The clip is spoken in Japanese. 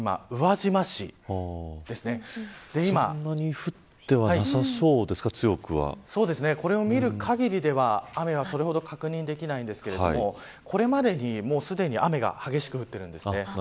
そんなに降ってはこれを見る限りでは雨はそれほど確認できないんですがこれまでに、すでに雨が激しく降っているんですね。